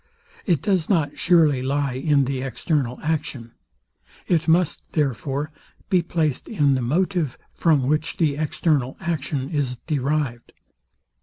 It does not surely lie in the external action. It must, therefore be placed in the motive, from which the external action is derived.